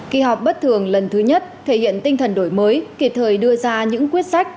kỳ họp bất thường lần thứ nhất thể hiện tinh thần đổi mới kịp thời đưa ra những quyết sách